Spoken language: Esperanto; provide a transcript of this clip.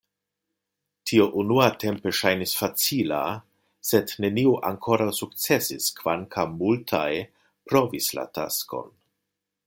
Tio unuatempe ŝajnis facila, sed neniu ankoraŭ sukcesis, kvankam multaj provis la taskon.